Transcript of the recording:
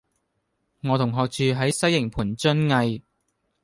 我同學住喺西營盤瑧蓺